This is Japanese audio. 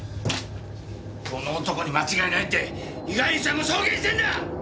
この男に間違いないって被害者も証言してんだ！